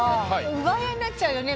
奪い合いになっちゃうよね